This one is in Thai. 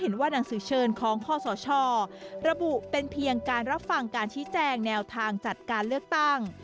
ในแนวทางจัดการเลือกตั้ง